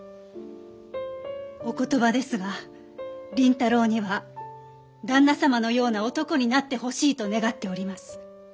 お言葉ですが麟太郎には旦那様のような男になってほしいと願っております。